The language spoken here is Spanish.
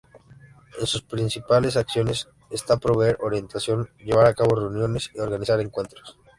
Entre sus principales acciones está proveer orientación, llevar a cabo reuniones y organizar encuentros.